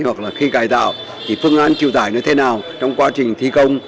hoặc là khi cài tạo thì phương án triều tải nó thế nào trong quá trình thi công